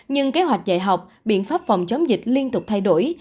nhưng kế hoạch dạy học biện pháp phòng chống dịch liên tục thay đổi